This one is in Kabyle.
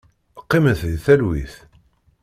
Qqimet deg talwit.